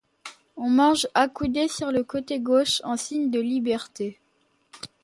On mange accoudé sur le côté gauche en signe de liberté.